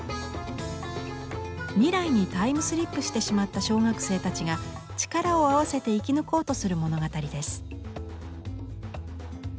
未来にタイムスリップしてしまった小学生たちが力を合わせて生き抜こうとする物語です。